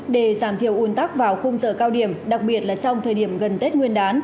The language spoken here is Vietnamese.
để giảm thiểu un tắc vào khung giờ cao điểm đặc biệt là trong thời điểm gần tết nguyên đán